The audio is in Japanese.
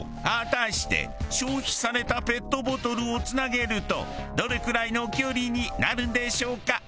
果たして消費されたペットボトルを繋げるとどれくらいの距離になるんでしょうか？